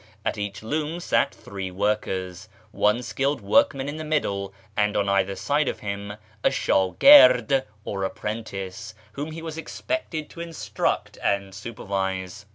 At each loom sat three workers, one skilled workman in the middle, and on either side of him a sMigird or apprentice, whom he was expected to instruct and supervise.